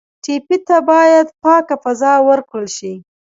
ټپي ته باید پاکه فضا ورکړل شي.